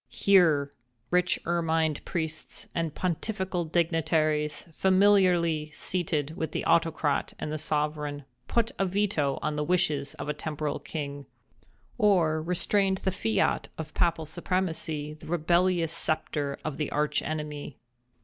Here, rich ermined priests, and pontifical dignitaries, familiarly seated with the autocrat and the sovereign, put a veto on the wishes of a temporal king, or restrained with the fiat of papal supremacy the rebellious sceptre of the Arch enemy.